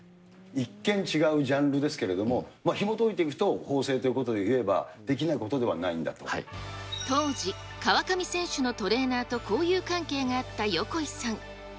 一見違うジャンルですけど、ひもといていくと、縫製ということでいえば、できないことではな当時、川上選手のトレーナーと交友関係があった横井さん。